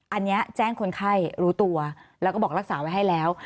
อันนี้แจ้งคนไข้รู้ตัวแล้วก็บอกรักษาไว้ให้แล้ว